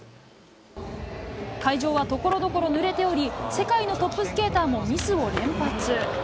会場はところどころぬれており、世界のトップスケーターもミスを連発。